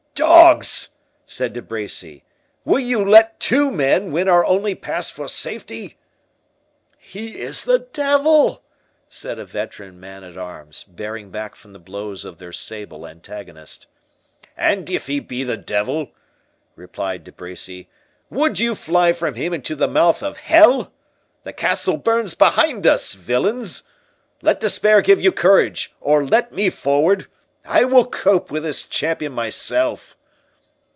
"Dogs!" said De Bracy, "will ye let TWO men win our only pass for safety?" "He is the devil!" said a veteran man at arms, bearing back from the blows of their sable antagonist. "And if he be the devil," replied De Bracy, "would you fly from him into the mouth of hell?—the castle burns behind us, villains!—let despair give you courage, or let me forward! I will cope with this champion myself."